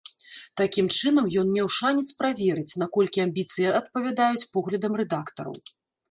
Такім чынам ён меў шанец праверыць, наколькі амбіцыі адпавядаюць поглядам рэдактараў.